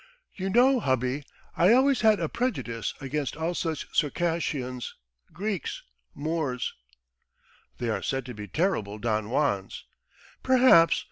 You know, hubby, I always had a prejudice against all such Circassians, Greeks ... Moors!" "They are said to be terrible Don Juans." "Perhaps!